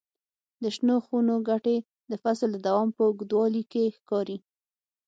د شنو خونو ګټې د فصل د دوام په اوږدوالي کې ښکاري.